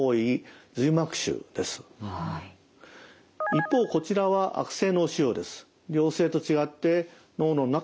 一方こちらは悪性脳腫瘍です。